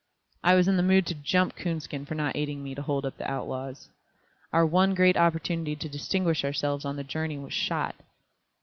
I was in the mood to "jump" Coonskin for not aiding me to hold up the outlaws. Our one great opportunity to distinguish ourselves on the journey was lost.